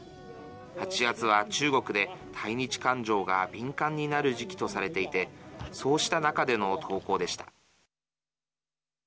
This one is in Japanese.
８月は中国で対日感情が敏感になる時期とされていてそうした中での投稿でした。